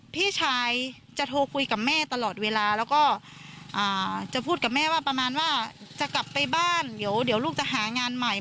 พี่ชายจะโทรคุยกับแม่ตลอดเวลาแล้วก็จะพูดกับแม่ว่าประมาณว่าจะกลับไปบ้านเดี๋ยวลูกจะหางานใหม่